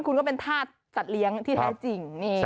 คุณก็เป็นธาตุสัตว์เลี้ยงที่แท้จริง